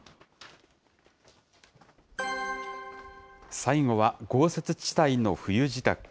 最後は豪雪地帯の冬支度。